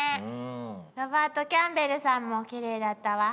ロバート・キャンベルさんもきれいだったわ。